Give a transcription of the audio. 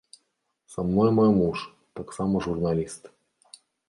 Са мной мой муж, таксама журналіст.